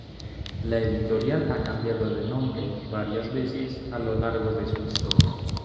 La editorial ha cambiado de nombre varias veces a lo largo de su historia.